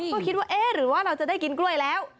ก็คิดว่าเอ๊ะหรือว่าเราจะได้กินกล้วยแล้ว